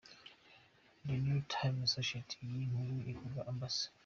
The Newtimes dukesha iyi nkuru ivuga Amb.